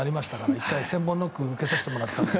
１回千本ノックを受けさせてもらって。